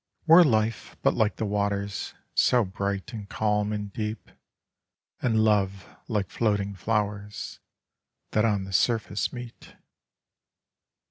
Were life but like the waters, so bright and calm and deep, and love like floating flowers that on the surface meat.